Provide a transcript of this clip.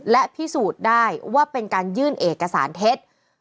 และพิสูจน์ได้ว่าเป็นการยื่นเอกสารเท็จ